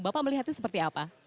bapak melihatnya seperti apa